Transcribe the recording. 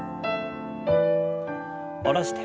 下ろして。